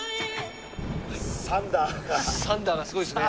サンダーがすごいっすね。